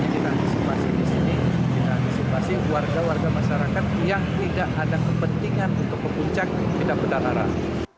kita disipasi di sini kita disipasi warga warga masyarakat yang tidak ada kepentingan untuk ke puncak tidak berdarah